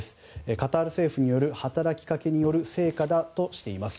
カタール政府による働きかけによる成果だとしています。